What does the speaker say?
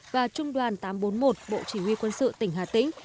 và trung đoàn tám trăm bốn mươi một bộ chỉ huy quân sự tỉnh hà tĩnh